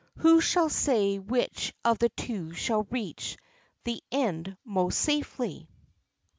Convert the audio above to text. Who shall say which of the two shall reach the end most safely!